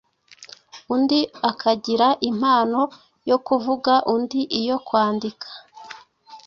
undi akagira impano yo kuvuga, undi iyo kwandika.